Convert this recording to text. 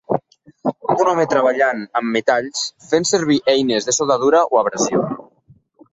Un home treballant amb metalls fent servir eines de soldadura o abrasió.